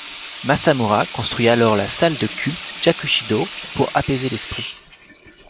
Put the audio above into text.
Masamura construit alors la salle de culte Jakushi-dō pour apaiser l'esprit.